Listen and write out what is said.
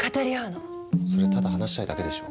それただ話したいだけでしょ。